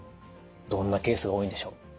どんなケースが多いんでしょう？